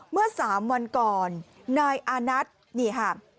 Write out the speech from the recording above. เมื่อ๓วันก่อนนายอานัทนี่ค่ะ